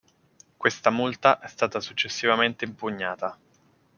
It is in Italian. Questa multa è stata successivamente impugnata.